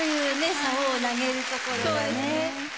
さおを投げるところがね。